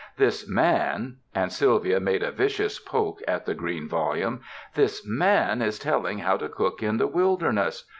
''This man," and Sylvia made a vicious poke at the green volume, ''this mayi is telling how to cook in the wilderness.